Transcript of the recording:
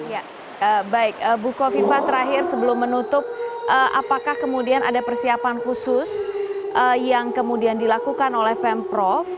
ya baik bu kofifa terakhir sebelum menutup apakah kemudian ada persiapan khusus yang kemudian dilakukan oleh pemprov